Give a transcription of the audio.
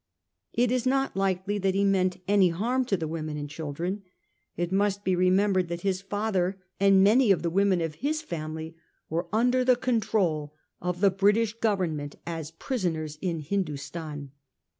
It is not likely that he meant any harm to the women and chil dren; it must be remembered that his father and 1842. TIIE SURRENDER OF THE GENERALS. 255 many of the women of his family were under the control of the British Government . as prisoners in Hindostan.